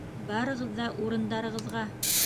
— Барығыҙ ҙа урындарығыҙға!